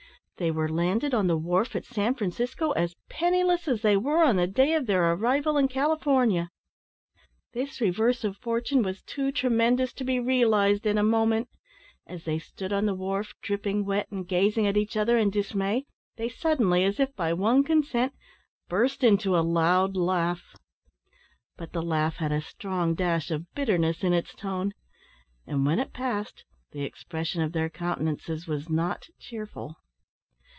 They were landed on the wharf at San Francisco as penniless as they were on the day of their arrival in California. This reverse of fortune was too tremendous to be realised in a moment. As they stood on the wharf; dripping wet, and gazing at each other in dismay, they suddenly, as if by one consent, burst into a loud laugh. But the laugh had a strong dash of bitterness in its tone; and when it passed, the expression of their countenances was not cheerful.